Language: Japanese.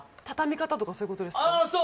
たたみ方とかそういうことですかあ